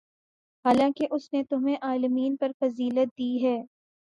حالانکہ اس نے تمہیں عالمین پر فضیلت دی ہے